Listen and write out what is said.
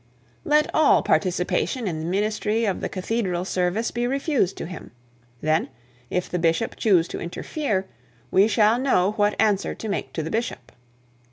Let all participation in the ministry of the cathedral service be refused to him. Then, if the bishop choose to interfere, we shall know what answer to make to the bishop.